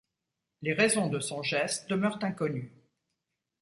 Les raisons de son geste demeurent inconnues.